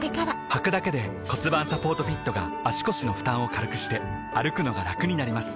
はくだけで骨盤サポートフィットが腰の負担を軽くして歩くのがラクになります